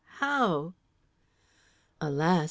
how?" Alas!